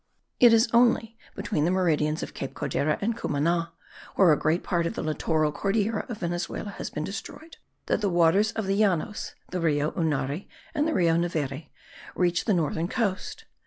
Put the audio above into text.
It is only between the meridians of Cape Codera and Cumana, where a great part of the littoral Cordillera of Venezuela has been destroyed, that the waters of the Llanos (the Rio Unare and the Rio Neveri) reach the northern coast.